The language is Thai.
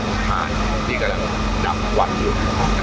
เพราะว่าเมืองนี้จะเป็นที่สุดท้าย